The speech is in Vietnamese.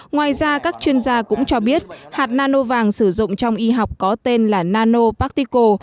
ngoài ra các chuyên gia cũng cho biết hạt nano vàng sử dụng trong y học có tên là nano partico